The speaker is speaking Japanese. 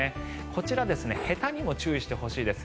こちら、へたにも注意してほしいです。